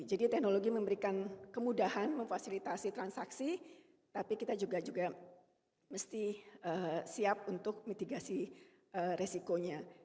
jadi teknologi memberikan kemudahan memfasilitasi transaksi tapi kita juga juga mesti siap untuk mitigasi resikonya